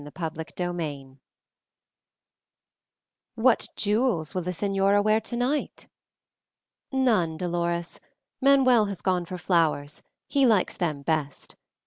Chapter II "What jewels will the señora wear tonight?" "None, Dolores. Manuel has gone for flowers he likes them best.